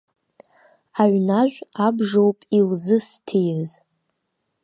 Аҩнахә абжоуп илзысҭиз.